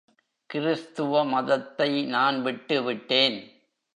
கிறிஸ்துவ மதத்தை நான் விட்டு விட்டேன்.